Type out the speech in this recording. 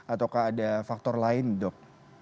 ataukah ada faktor lain dok